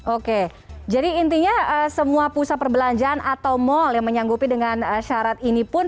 oke jadi intinya semua pusat perbelanjaan atau mal yang menyanggupi dengan syarat ini pun